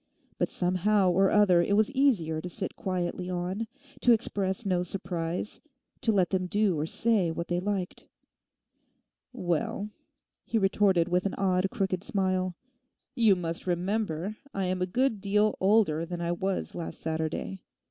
But somehow or other it was easier to sit quietly on, to express no surprise, to let them do or say what they liked. 'Well' he retorted with an odd, crooked smile, 'you must remember I am a good deal older than I was last Saturday.